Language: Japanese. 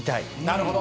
なるほど。